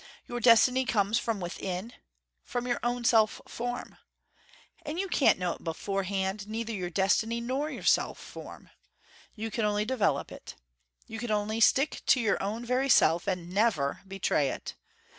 Your destiny comes from within, from your own self form. And you can't know it beforehand, neither your destiny nor your self form. You can only develop it. You can only stick to your own very self, and NEVER betray it.